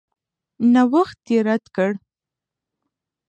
نوښت یې رد کړ.